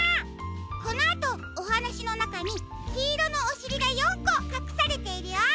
このあとおはなしのなかにきいろのおしりが４こかくされているよ。